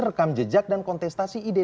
rekam jejak dan kontestasi ide